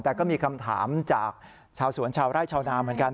แต่ก็มีคำถามจากชาวสวนชาวไร่ชาวนาเหมือนกัน